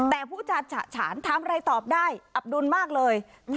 แต่ผู้จัดฉะฉานทำอะไรตอบได้อับดุลมากเลย